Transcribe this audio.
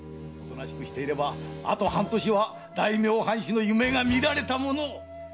おとなしくしていればあと半年は大名藩主の夢が見られたものを。